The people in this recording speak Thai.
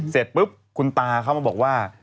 เสร็จปุ๊บคุณตาเขามาบอกว่า